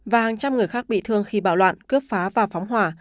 và hàng trăm người khác bị thương khi bạo loạn cướp phá và phóng hỏa